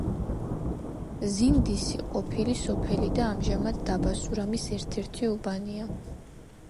ზინდისი ყოფილი სოფელი და ამჟამად დაბა სურამის ერთ-ერთი უბანია.